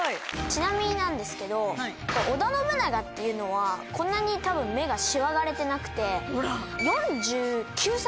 ちなみになんですけど織田信長っていうのはこんなに多分目がしわがれてなくて。